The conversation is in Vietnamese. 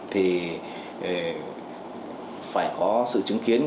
thì phải có sự chứng kiến